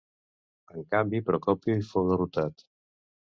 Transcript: En canvi Procopi fou derrotat.